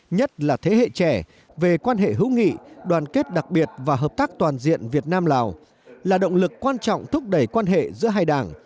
nhất là thế hệ trẻ về quan hệ hữu nghị đoàn kết đặc biệt và hợp tác toàn diện việt nam lào là động lực quan trọng thúc đẩy quan hệ giữa hai đảng